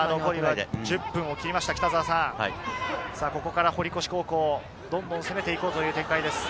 ここから堀越高校、どんどん攻めて行こうという展開です。